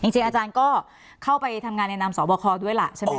จริงอาจารย์ก็เข้าไปทำงานแนะนำสอบครด้วยล่ะ